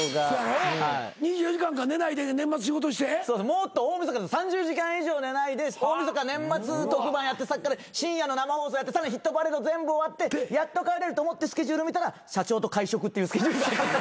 もっと大晦日だと３０時間以上寝ないで大晦日年末特番やって深夜の生放送やってさらに『ヒットパレード』全部終わってやっと帰れると思ってスケジュールを見たら社長と会食っていうスケジュールが。